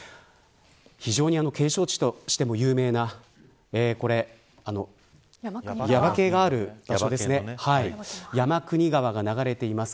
非常に景勝地としても有名な耶馬渓があり山国川が流れています。